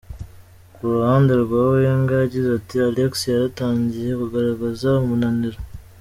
Ku ruhande rwa Wenger yagize ati: “Alex yaratangiye kugaragaza umunaniro.